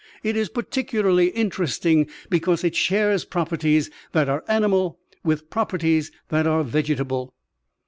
It is particularly interesting because it shares properties that are animal with properties that are vegetable."